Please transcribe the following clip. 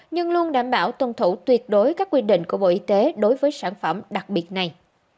nhưng luôn đảm bảo tuân thủ tuyệt đối các quy định của bộ y tế đối với sản phẩm đặc biệt này